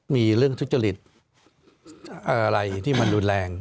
มีเรื่องทุจริตอะไรที่มันรุนแรง